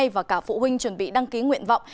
và cả phụ huynh chuẩn bị đăng ký nguyện vọng